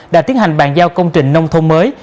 đã tiến hành bàn giao công trình nông thôn mới